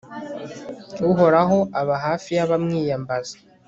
uhoraho aba hafi y'abamwiyambaza